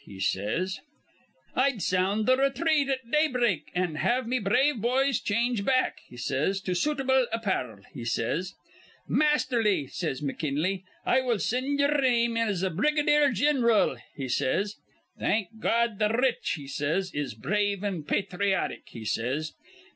he says. 'I'd sound th' rethreat at daybreak, an' have me brave boys change back,' he says, 'to suitable appar'l,' he says. 'Masterly,' says McKinley. 'I will sind ye'er name in as a brigadier gin'ral,' he says. 'Thank Gawd, th' r rich,' he says, 'is brave an' pathriotic,' he says.